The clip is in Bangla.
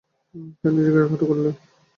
কেন নিজেকে খাটো করলে?